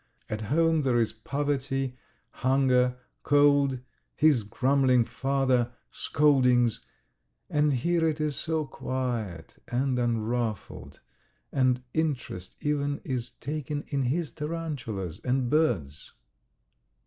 At home there is poverty, hunger, cold, his grumbling father, scoldings, and here it is so quiet and unruffled, and interest even is taken in his tarantulas and birds.